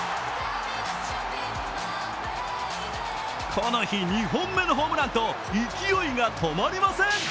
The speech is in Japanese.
この日、２本目のホームランと勢いが止まりません。